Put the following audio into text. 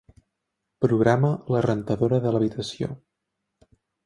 Programa la rentadora de l'habitació.